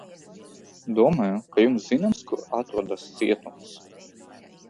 Domāju, ka jums zināms, kur atrodas cietums?